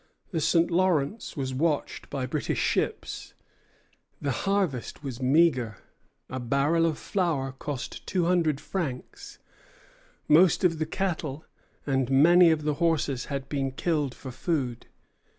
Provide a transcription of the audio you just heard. The St. Lawrence was watched by British ships; the harvest was meagre; a barrel of flour cost two hundred francs; most of the cattle and many of the horses had been killed for food.